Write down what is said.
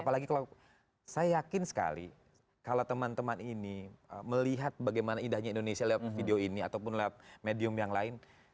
apalagi kalau saya yakin sekali kalau teman teman ini melihat bagaimana indahnya indonesia lewat video ini ataupun lewat medium yang lain